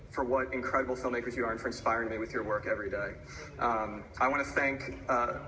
ขอบคุณผู้ที่ได้ร่วมรับการเสดอชื่อเข้าชิงเหมือนกับเขาด้วยนะคะ